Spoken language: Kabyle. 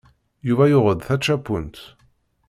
Yuba yuɣ-d tačapunt.